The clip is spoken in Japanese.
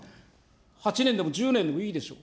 ８年でも１０年でもいいでしょう。